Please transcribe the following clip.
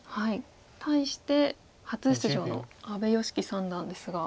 対して初出場の阿部良希三段ですが。